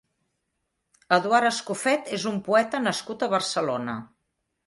Eduard Escoffet és un poeta nascut a Barcelona.